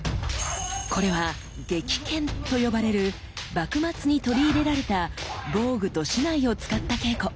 これは「撃剣」と呼ばれる幕末に取り入れられた防具と竹刀を使った稽古。